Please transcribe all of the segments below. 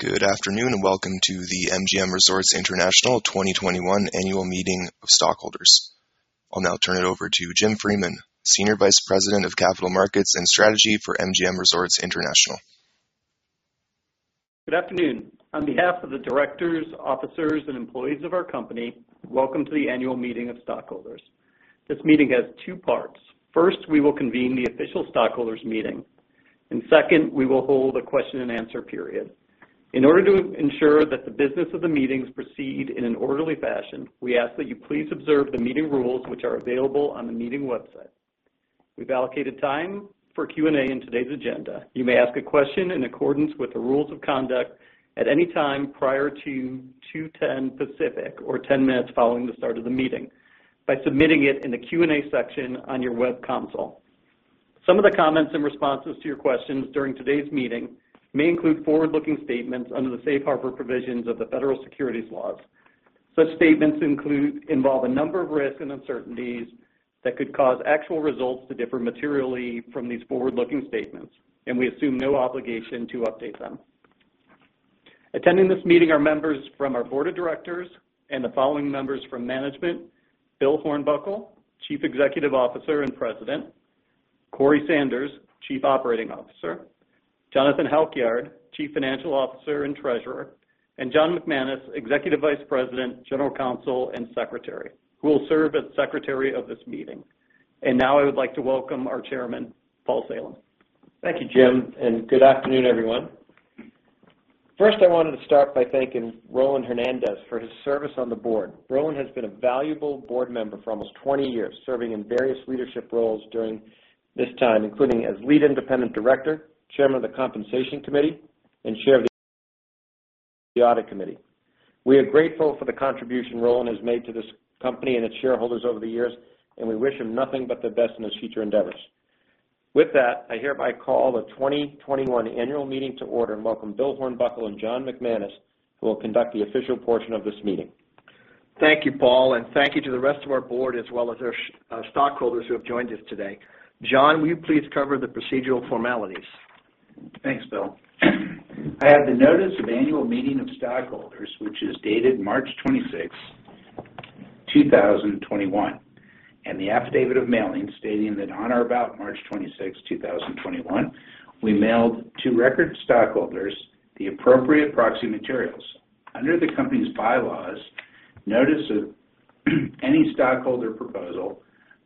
Good afternoon. Welcome to the MGM Resorts International 2021 Annual Meeting of Stockholders. I'll now turn it over to Jim Freeman, Senior Vice President of Capital Markets and Strategy for MGM Resorts International. Good afternoon. On behalf of the directors, officers, and employees of our company, welcome to the annual meeting of stockholders. This meeting has two parts. First, we will convene the official stockholders meeting, and second, we will hold a question and answer period. In order to ensure that the business of the meetings proceed in an orderly fashion, we ask that you please observe the meeting rules which are available on the meeting website. We've allocated time for Q&A in today's agenda. You may ask a question in accordance with the rules of conduct at any time prior to 2:10 Pacific or 10 minutes following the start of the meeting by submitting it in the Q&A section on your web console. Some of the comments and responses to your questions during today's meeting may include forward-looking statements under the safe harbor provisions of the Federal Securities Laws. Such statements involve a number of risks and uncertainties that could cause actual results to differ materially from these forward-looking statements, and we assume no obligation to update them. Attending this meeting are members from our board of directors and the following members from management: Bill Hornbuckle, Chief Executive Officer and President, Corey Sanders, Chief Operating Officer, Jonathan Halkyard, Chief Financial Officer and Treasurer, and John McManus, Executive Vice President, General Counsel and Secretary, who will serve as secretary of this meeting. Now I would like to welcome our Chairman, Paul Salem. Thank you, Jim, and good afternoon, everyone. First, I wanted to start by thanking Roland Hernandez for his service on the board. Roland has been a valuable board member for almost 20 years, serving in various leadership roles during this time, including as Lead Independent Director, Chairman of the Compensation Committee, and Chair of the Audit Committee. We are grateful for the contribution Roland has made to this company and its shareholders over the years, and we wish him nothing but the best in his future endeavors. With that, I hereby call the 2021 annual meeting to order and welcome Bill Hornbuckle and John McManus, who will conduct the official portion of this meeting. Thank you, Paul, thank you to the rest of our board as well as our stockholders who have joined us today. John, will you please cover the procedural formalities? Thanks, Bill. I have the notice of annual meeting of stockholders, which is dated March 26, 2021, and the affidavit of mailing stating that on or about March 26, 2021, we mailed to record stockholders the appropriate proxy materials. Under the company's bylaws, notice of any stockholder proposal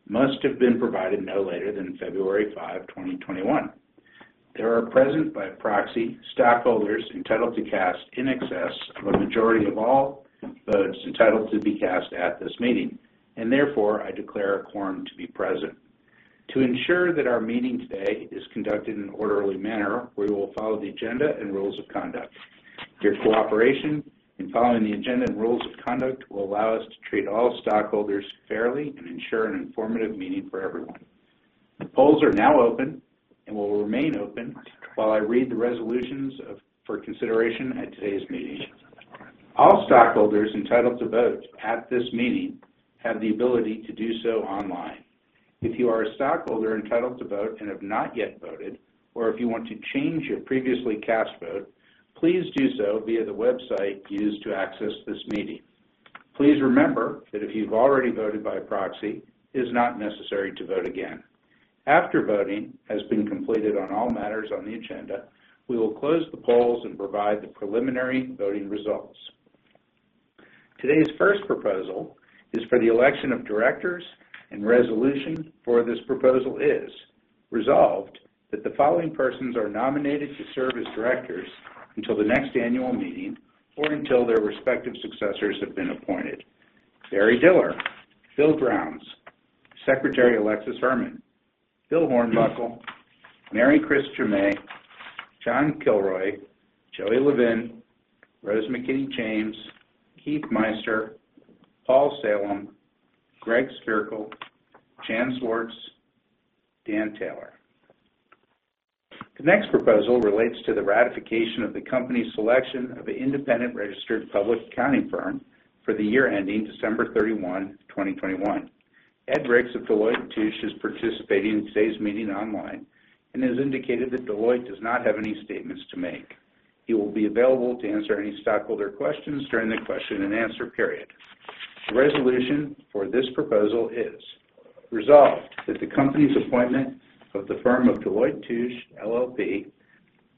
must have been provided no later than February five, 2021. There are present by proxy stockholders entitled to cast in excess of a majority of all votes entitled to be cast at this meeting, and therefore, I declare a quorum to be present. To ensure that our meeting today is conducted in an orderly manner, we will follow the agenda and rules of conduct. Your cooperation in following the agenda and rules of conduct will allow us to treat all stockholders fairly and ensure an informative meeting for everyone. The polls are now open and will remain open while I read the resolutions for consideration at today's meeting. All stockholders entitled to vote at this meeting have the ability to do so online. If you are a stockholder entitled to vote and have not yet voted, or if you want to change your previously cast vote, please do so via the website used to access this meeting. Please remember that if you've already voted by proxy, it is not necessary to vote again. After voting has been completed on all matters on the agenda, we will close the polls and provide the preliminary voting results. Today's first proposal is for the election of directors, and resolution for this proposal is resolved that the following persons are nominated to serve as directors until the next annual meeting or until their respective successors have been appointed. Barry Diller, William Grounds, Secretary Alexis Herman, Bill Hornbuckle, Mary Chris Jammet, John Kilroy, Joey Levin, Rose McKinney-James, Keith Meister, Paul Salem, Greg Spierkel, Jan Swartz, Dan Taylor. The next proposal relates to the ratification of the company's selection of an independent registered public accounting firm for the year ending December 31, 2021. Ed Riggs of Deloitte & Touche is participating in today's meeting online and has indicated that Deloitte does not have any statements to make. He will be available to answer any stockholder questions during the question and answer period. The resolution for this proposal is resolved that the company's appointment of the firm of Deloitte & Touche LLP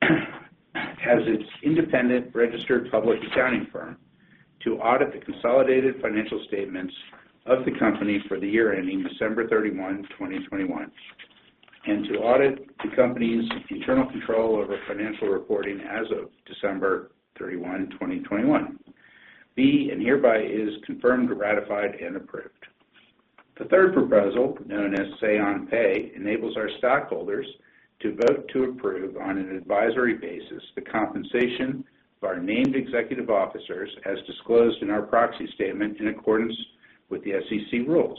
as its independent registered public accounting firm to audit the consolidated financial statements of the company for the year ending December 31, 2021 and to audit the company's internal control over financial reporting as of December 31, 2021. B, and hereby is confirmed, ratified and approved. The third proposal, known as Say on Pay, enables our stockholders to vote to approve on an advisory basis the compensation of our named executive officers as disclosed in our proxy statement in accordance with the SEC rules.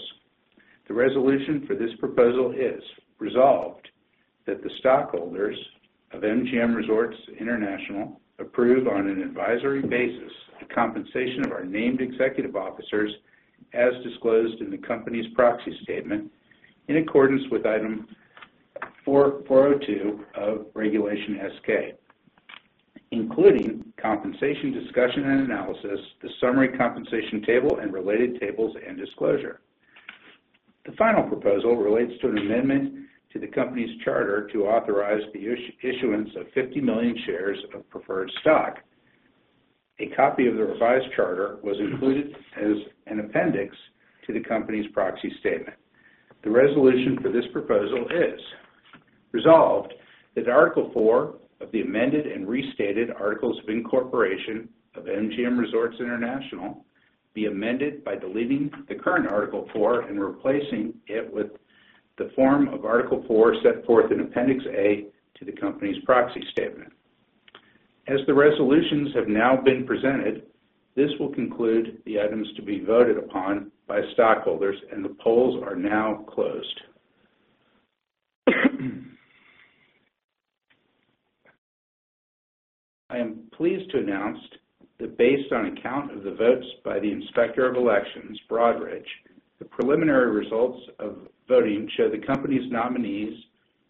The resolution for this proposal is resolved that the stockholders of MGM Resorts International approve on an advisory basis the compensation of our named executive officers as disclosed in the company's proxy statement in accordance with item 402 of Regulation S-K, including compensation discussion and analysis, the summary compensation table and related tables and disclosure. The final proposal relates to an amendment to the company's charter to authorize the issuance of 50 million shares of preferred stock. A copy of the revised charter was included as an appendix to the company's proxy statement. The resolution for this proposal is: Resolved, that Article IV of the amended and restated articles of incorporation of MGM Resorts International be amended by deleting the current Article IV and replacing it with the form of Article IV set forth in Appendix A to the company's proxy statement. As the resolutions have now been presented, this will conclude the items to be voted upon by stockholders and the polls are now closed. I am pleased to announce that based on a count of the votes by the Inspector of Elections, Broadridge, the preliminary results of voting show the company's nominees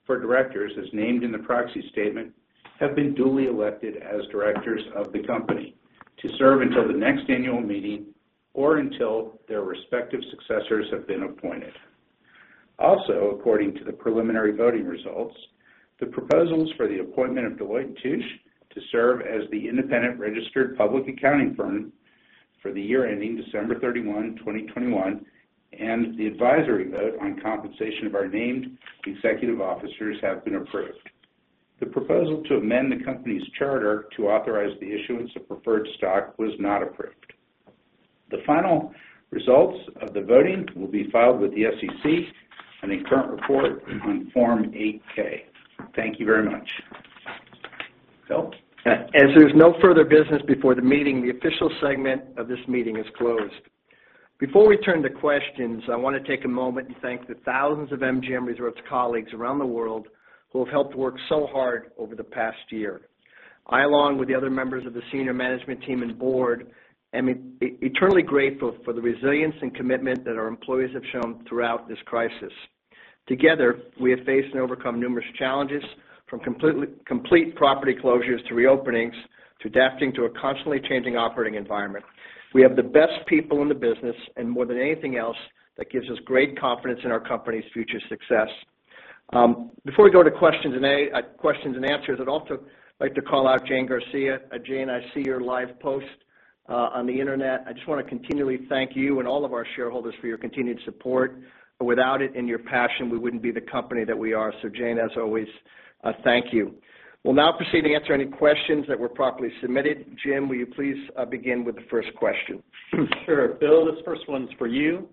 for directors as named in the proxy statement, have been duly elected as directors of the company to serve until the next annual meeting or until their respective successors have been appointed. Also, according to the preliminary voting results, the proposals for the appointment of Deloitte & Touche to serve as the independent registered public accounting firm for the year ending December 31, 2021, and the advisory vote on compensation of our named executive officers have been approved. The proposal to amend the company's charter to authorize the issuance of preferred stock was not approved. The final results of the voting will be filed with the SEC in a current report on Form 8-K. Thank you very much. Bill? There's no further business before the meeting, the official segment of this meeting is closed. Before we turn to questions, I want to take a moment and thank the thousands of MGM Resorts colleagues around the world who have helped work so hard over the past year. I, along with the other members of the senior management team and board, am eternally grateful for the resilience and commitment that our employees have shown throughout this crisis. Together, we have faced and overcome numerous challenges, from complete property closures to reopening, to adapting to a constantly changing operating environment. We have the best people in the business and more than anything else, that gives us great confidence in our company's future success. Before we go to questions and answers, I'd also like to call out Jane Garcia. Jane, I see your live post on the Internet. I just want to continually thank you and all of our shareholders for your continued support. Without it and your passion, we wouldn't be the company that we are. Jane, as always, thank you. We'll now proceed to answer any questions that were properly submitted. Jim, will you please begin with the first question? Sure. Bill, this first one's for you.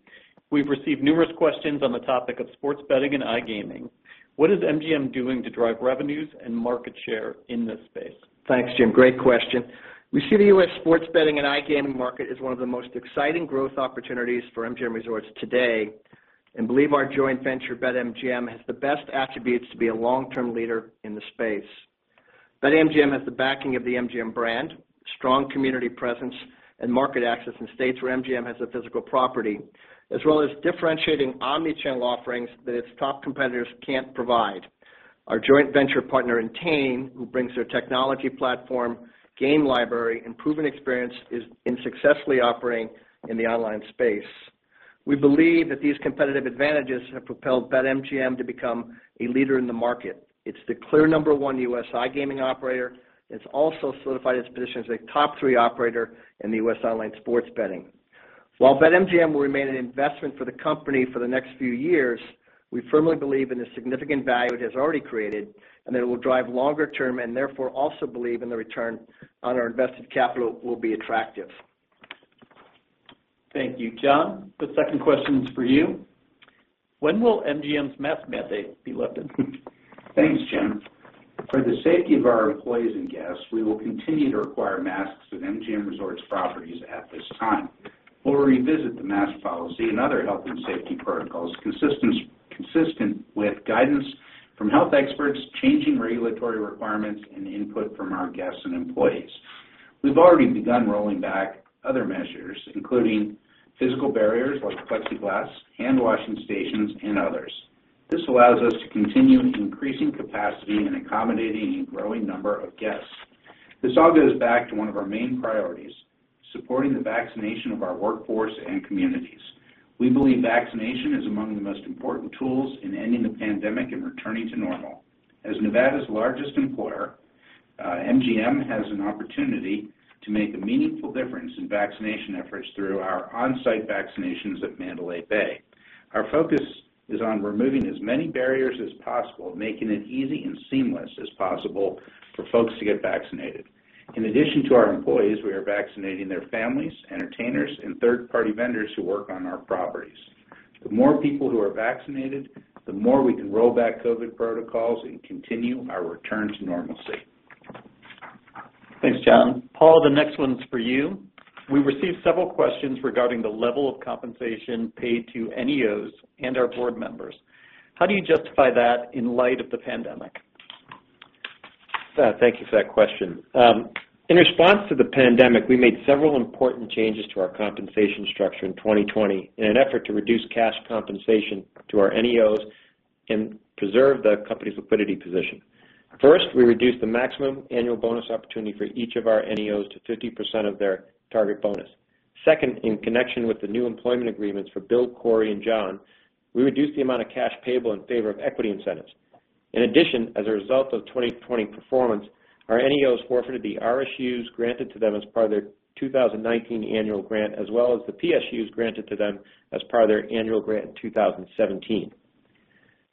We've received numerous questions on the topic of sports betting and iGaming. What is MGM doing to drive revenues and market share in this space? Thanks, Jim. Great question. We see the U.S. sports betting and iGaming market as one of the most exciting growth opportunities for MGM Resorts today and believe our joint venture, BetMGM, has the best attributes to be a long-term leader in the space. BetMGM has the backing of the MGM brand, strong community presence, and market access in states where MGM has a physical property, as well as differentiating omni-channel offerings that its top competitors can't provide. Our joint venture partner in Entain, who brings their technology platform, game library, and proven experience in successfully operating in the online space. We believe that these competitive advantages have propelled BetMGM to become a leader in the market. It's the clear number one U.S. iGaming operator, and it's also solidified its position as a top three operator in the U.S. online sports betting. While BetMGM will remain an investment for the company for the next few years, we firmly believe in the significant value it has already created and that it will drive longer term and therefore also believe in the return on our invested capital will be attractive. Thank you. John, the second question's for you. When will MGM's mask mandate be lifted? Thanks, Jim. For the safety of our employees and guests, we will continue to require masks at MGM Resorts properties at this time. We'll revisit the mask policy and other health and safety protocols consistent with guidance from health experts, changing regulatory requirements, and input from our guests and employees. We've already begun rolling back other measures, including physical barriers like plexiglass, hand washing stations, and others. This allows us to continue increasing capacity and accommodating a growing number of guests. This all goes back to one of our main priorities: supporting the vaccination of our workforce and communities. We believe vaccination is among the most important tools in ending the pandemic and returning to normal. As Nevada's largest employer, MGM has an opportunity to make a meaningful difference in vaccination efforts through our on-site vaccinations at Mandalay Bay. Our focus is on removing as many barriers as possible, making it easy and seamless as possible for folks to get vaccinated. In addition to our employees, we are vaccinating their families, entertainers, and third-party vendors who work on our properties. The more people who are vaccinated, the more we can roll back COVID protocols and continue our return to normalcy. Thanks, John. Paul, the next one's for you. We received several questions regarding the level of compensation paid to NEOs and our board members. How do you justify that in light of the pandemic? Thank you for that question. In response to the pandemic, we made several important changes to our compensation structure in 2020 in an effort to reduce cash compensation to our NEOs and preserve the company's liquidity position. First, we reduced the maximum annual bonus opportunity for each of our NEOs to 50% of their target bonus. Second, in connection with the new employment agreements for Bill, Corey, and John, we reduced the amount of cash payable in favor of equity incentives. In addition, as a result of 2020 performance, our NEOs forfeited the RSUs granted to them as part of their 2019 annual grant, as well as the PSUs granted to them as part of their annual grant in 2017.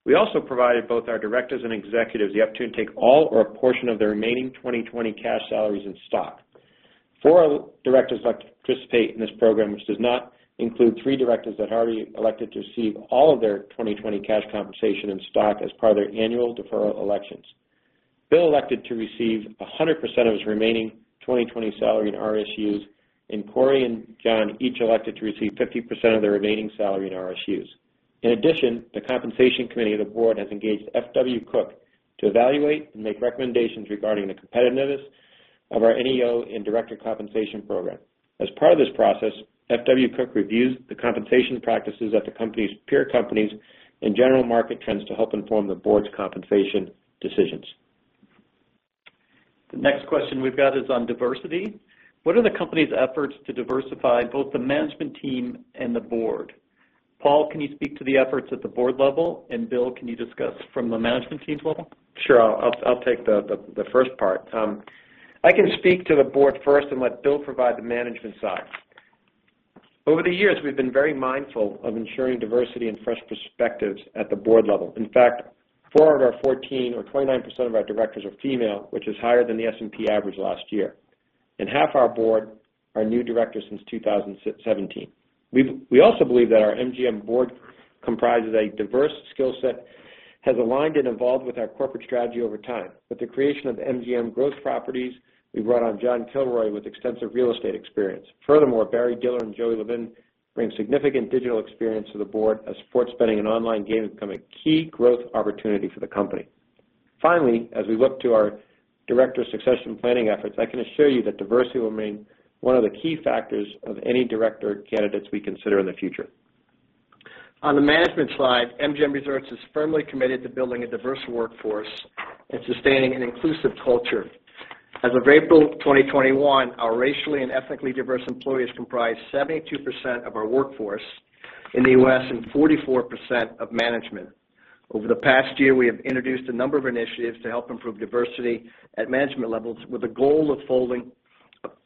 We also provided both our directors and executives the opportunity to take all or a portion of their remaining 2020 cash salaries in stock. Four directors elect to participate in this program, which does not include three directors that had already elected to receive all of their 2020 cash compensation in stock as part of their annual deferral elections. Bill elected to receive 100% of his remaining 2020 salary in RSUs, and Corey and John each elected to receive 50% of their remaining salary in RSUs. In addition, the compensation committee of the board has engaged FW Cook to evaluate and make recommendations regarding the competitiveness of our NEO and director compensation program. As part of this process, FW Cook reviews the compensation practices at the company's peer companies and general market trends to help inform the board's compensation decisions. The next question we've got is on diversity. What are the company's efforts to diversify both the management team and the board? Paul, can you speak to the efforts at the board level? Bill, can you discuss from the management team's level? Sure. I'll take the first part. I can speak to the board first and let Bill provide the management side. Over the years, we've been very mindful of ensuring diversity and fresh perspectives at the board level. In fact, four of our 14, or 29% of our directors are female, which is higher than the S&P average last year. Half our board are new directors since 2017. We also believe that our MGM board, comprised of a diverse skill set, has aligned and evolved with our corporate strategy over time. With the creation of MGM Growth Properties, we brought on John Kilroy with extensive real estate experience. Furthermore, Barry Diller and Joey Levin bring significant digital experience to the board as sports betting and online gaming become a key growth opportunity for the company. Finally, as we look to our director succession planning efforts, I can assure you that diversity will remain one of the key factors of any director candidates we consider in the future. On the management side, MGM Resorts is firmly committed to building a diverse workforce and sustaining an inclusive culture. As of April 2021, our racially and ethnically diverse employees comprised 72% of our workforce in the U.S. and 44% of management. Over the past year, we have introduced a number of initiatives to help improve diversity at management levels with the goal of holding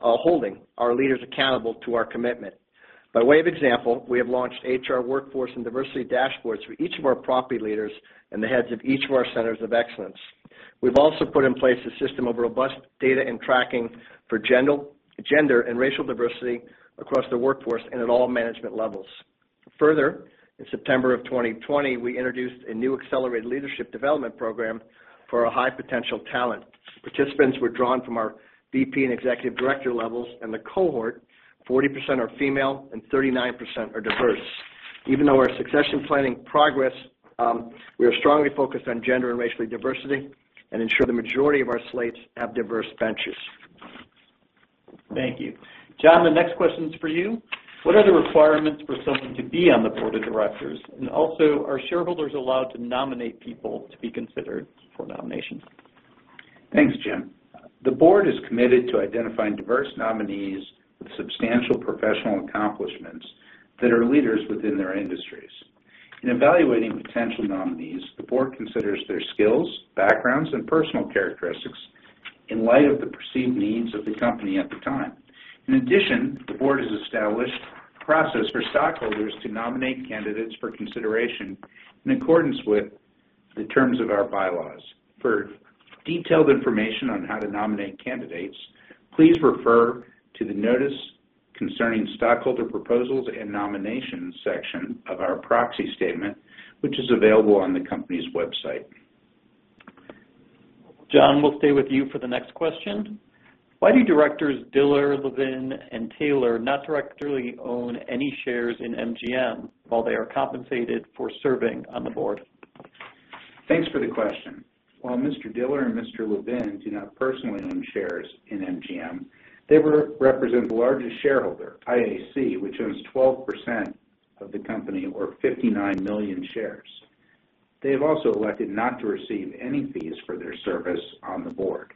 our leaders accountable to our commitment. By way of example, we have launched HR workforce and diversity dashboards for each of our property leaders and the heads of each of our centers of excellence. We've also put in place a system of robust data and tracking for gender and racial diversity across the workforce and at all management levels. Further, in September of 2020, we introduced a new Accelerated Leadership Development Program for our high-potential talent. Participants were drawn from our VP and executive director levels. The cohort, 40% are female and 39% are diverse. Even though our succession planning progress, we are strongly focused on gender and racial diversity and ensure the majority of our slates have diverse benches. Thank you. John, the next question's for you. What are the requirements for someone to be on the board of directors? Also, are shareholders allowed to nominate people to be considered for nominations? Thanks, Jim. The board is committed to identifying diverse nominees with substantial professional accomplishments that are leaders within their industries. In evaluating potential nominees, the board considers their skills, backgrounds, and personal characteristics in light of the perceived needs of the company at the time. In addition, the board has established process for stockholders to nominate candidates for consideration in accordance with the terms of our bylaws. For detailed information on how to nominate candidates, please refer to the notice concerning stockholder proposals and nominations section of our proxy statement, which is available on the company's website. John, we'll stay with you for the next question. Why do Directors Diller, Levin, and Taylor not directly own any shares in MGM while they are compensated for serving on the board? Thanks for the question. While Mr. Diller and Mr. Levin do not personally own shares in MGM, they represent the largest shareholder, IAC, which owns 12% of the company, or 59 million shares. They have also elected not to receive any fees for their service on the board.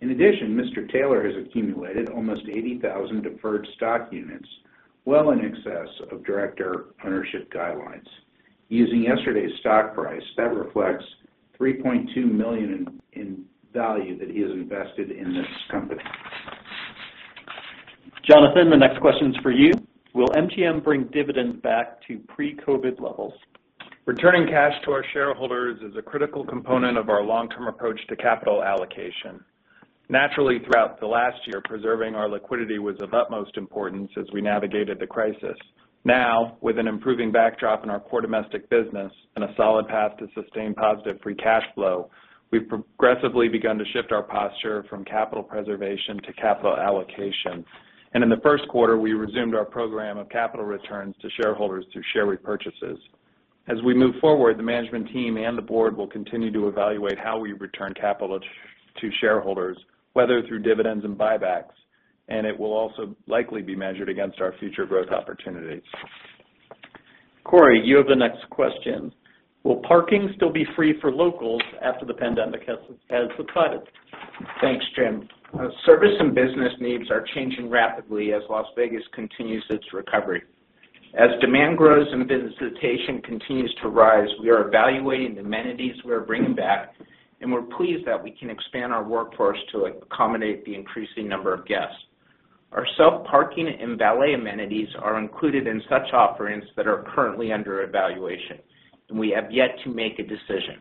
In addition, Mr. Taylor has accumulated almost 80,000 deferred stock units, well in excess of director ownership guidelines. Using yesterday's stock price, that reflects $3.2 million in value that he has invested in this company. Jonathan, the next question's for you. Will MGM bring dividends back to pre-COVID levels? Returning cash to our shareholders is a critical component of our long-term approach to capital allocation. Naturally, throughout the last year, preserving our liquidity was of utmost importance as we navigated the crisis. Now, with an improving backdrop in our core domestic business and a solid path to sustain positive free cash flow, we've progressively begun to shift our posture from capital preservation to capital allocation, and in the first quarter, we resumed our program of capital returns to shareholders through share repurchases. As we move forward, the management team and the board will continue to evaluate how we return capital to shareholders, whether through dividends and buybacks, and it will also likely be measured against our future growth opportunities. Corey, you have the next question. Will parking still be free for locals after the pandemic has subsided? Thanks, Jim. Service and business needs are changing rapidly as Las Vegas continues its recovery. As demand grows and visitation continues to rise, we are evaluating the amenities we are bringing back, and we're pleased that we can expand our workforce to accommodate the increasing number of guests. Our self-parking and valet amenities are included in such offerings that are currently under evaluation, and we have yet to make a decision.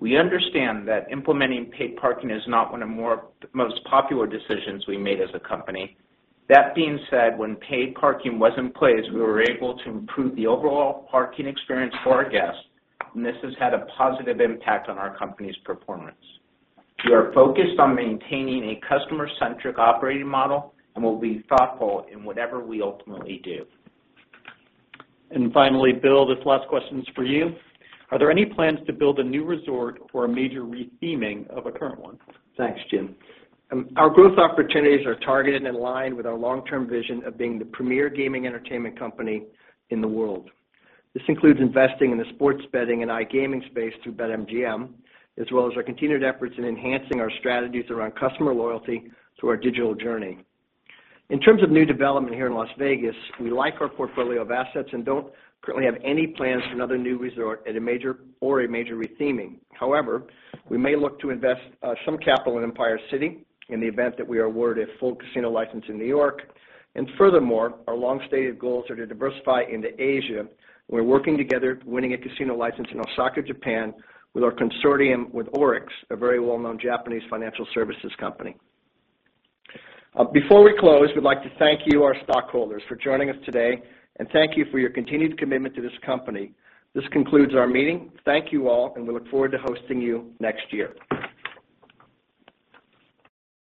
We understand that implementing paid parking is not one of the most popular decisions we made as a company. That being said, when paid parking was in place, we were able to improve the overall parking experience for our guests, and this has had a positive impact on our company's performance. We are focused on maintaining a customer-centric operating model and will be thoughtful in whatever we ultimately do. Finally, Bill, this last question's for you. Are there any plans to build a new resort or a major re-theming of a current one? Thanks, Jim. Our growth opportunities are targeted and aligned with our long-term vision of being the premier gaming entertainment company in the world. This includes investing in the sports betting and iGaming space through BetMGM, as well as our continued efforts in enhancing our strategies around customer loyalty through our digital journey. In terms of new development here in Las Vegas, we like our portfolio of assets and don't currently have any plans for another new resort or a major re-theming. However, we may look to invest some capital in Empire City in the event that we are awarded a full casino license in New York. Furthermore, our long-stated goals are to diversify into Asia. We're working together, winning a casino license in Osaka, Japan, with our consortium with ORIX, a very well-known Japanese financial services company. Before we close, we'd like to thank you, our stockholders, for joining us today, and thank you for your continued commitment to this company. This concludes our meeting. Thank you all, and we look forward to hosting you next year.